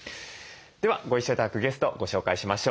ではご一緒頂くゲストご紹介しましょう。